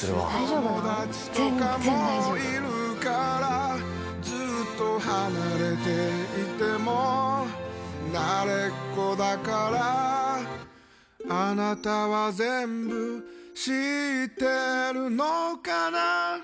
友達とかもいるからずっと離れていても慣れっこだからあなたは全部知ってるのかな